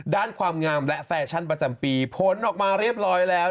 ความงามและแฟชั่นประจำปีผลออกมาเรียบร้อยแล้ว